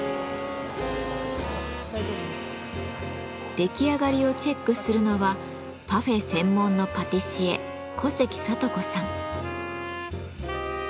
出来上がりをチェックするのはパフェ専門のパティシエ小関智子さん。